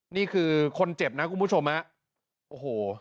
นี่คือคนเจ็บนะคุณผู้ชมฮะโอ้โห